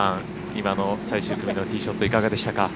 今の最終組のティーショットいかがでしたか？